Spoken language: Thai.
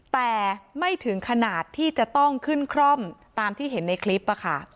แต่ไม่ถึงขนาดที่จะต้องขึ้นคร่อมตามที่เห็นในคลิป